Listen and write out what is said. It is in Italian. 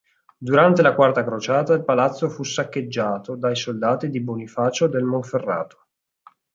Durante la Quarta Crociata il palazzo fu saccheggiato dai soldati di Bonifacio del Monferrato.